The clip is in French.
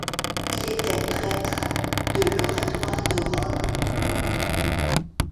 Il était prêtre de l'Oratoire de Rome.